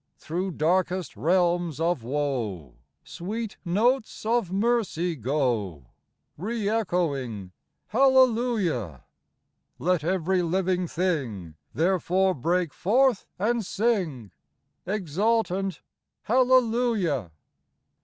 Through darkest realms of woe, Sweet notes of mercy go, Re echoing "Hallelujah!" Let every living thing Therefore break forth and sing, Exultant, " Hallelujah